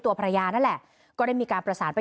ตัวภรรยานั่นแหละก็ได้มีการประสานไป